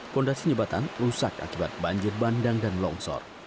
fondasi jembatan rusak akibat banjir bandang dan longsor